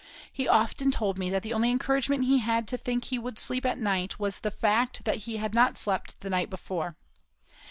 He often told me that the only encouragement he had to think he would sleep at night was the fact that he had not slept the night before.